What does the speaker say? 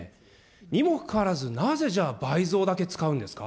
にもかかわらず、なぜじゃあ、倍増だけ使うんですか。